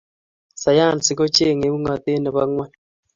sayansi kochengei ungatet Nepo ngueny